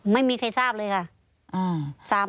ไม่มีใครทราบเลยค่ะ